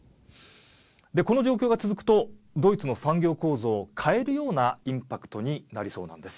で、この状況が続くとドイツの産業構造を変えるようなインパクトになりそうなんです。